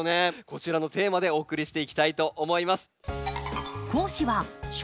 こちらのテーマでお送りしていきたいと思います。